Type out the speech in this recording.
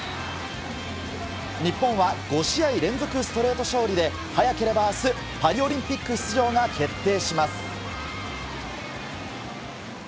日本は５試合連続ストレート勝利で、早ければあす、パリオリンピック出場が決定します。